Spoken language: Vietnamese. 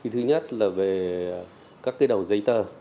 thứ nhất là về các cái đầu giấy tờ